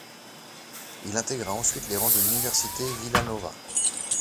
Il intégra ensuite les rangs de l'université Villanova.